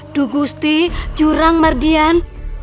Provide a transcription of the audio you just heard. dugusti jurang mardian